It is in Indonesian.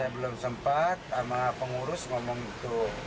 belum sempat sama pengurus ngomong itu